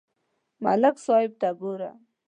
ملک صاحب ته گوره